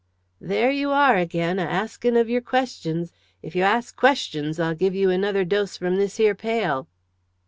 "There you are again, a asking of your questions. If you ask questions I'll give you another dose from this here pail."